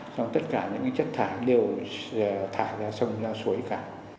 xong tất cả những chất thải đều thả ra sông ra suối cả